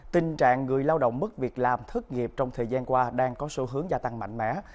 tình trạng người lao động mất việc làm thất nghiệp trong thời gian qua đang có xu hướng gia tăng mạnh mẽ